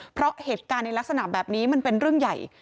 เพราะเหตุการณ์ในลักษณะแบบนี้มันเป็นเรื่องใหญ่